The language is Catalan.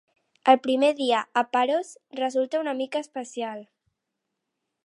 El primer dia a Paros resulta una mica especial.